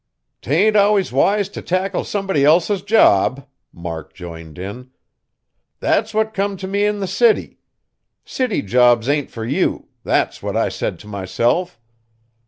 "'T ain't always wise t' tackle somebody else's job," Mark joined in, "that's what come t' me in the city. City jobs ain't fur you! that's what I said t' myself.